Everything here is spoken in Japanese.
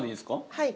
はい。